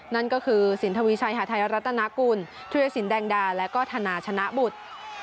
นั่นก็คือสินทวีชัยหาทัยรัตนากุลธิรสินแดงดาและก็ธนาชนะบุตร